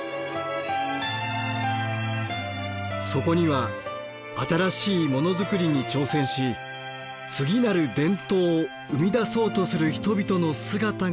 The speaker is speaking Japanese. そこには新しいモノ作りに挑戦し次なる伝統を生み出そうとする人々の姿がありました。